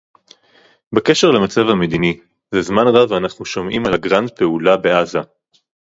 בקשר למצב המדיני - זה זמן רב אנחנו שומעים על הגרנד-פעולה בעזה